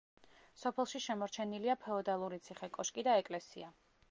სოფელში შემორჩენილია ფეოდალური ციხე-კოშკი და ეკლესია.